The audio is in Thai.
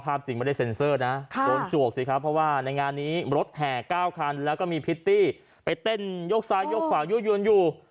จริงไม่ได้เซ็นเซอร์นะโดนจวกสิครับเพราะว่าในงานนี้รถแห่๙คันแล้วก็มีพิตตี้ไปเต้นยกซ้ายยกขวายั่วยวนอยู่